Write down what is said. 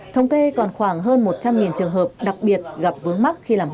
thông kê còn khoảng hơn một trăm linh trường hợp đặc biệt gặp vướng mắt